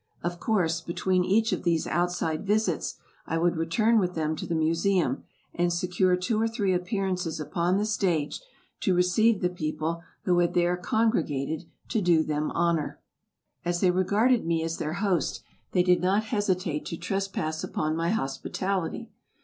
Of course, between each of these outside visits I would return with them to the Museum, and secure two or three appearances upon the stage to receive the people who had there congregated "to do them honor." As they regarded me as their host, they did not hesitate to trespass upon my hospitality.